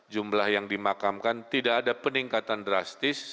jumlah yang dimakamkan tidak ada peningkatan drastis